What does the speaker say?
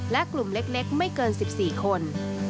และกลุ่มเล็กไม่เกิน๑๔คน